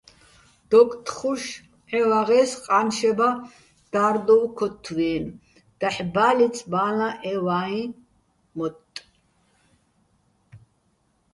დოკთხუშ ჺევაღე́ს ყა́ნშება და́რდუვ ქოთთვიენო̆: დაჰ̦ ბა́ლიც ბალაჼ ე ვა́იჼ მოტტ.